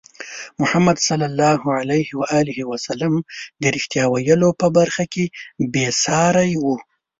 محمد صلى الله عليه وسلم د رښتیا ویلو په برخه کې بې ساری وو.